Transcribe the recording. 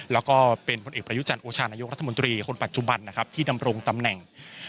แล้วก็เป็นผลเอกประยุจันทร์โอชานายกรัฐมนตรีคนปัจจุบันนะครับที่ดำรงตำแหน่ง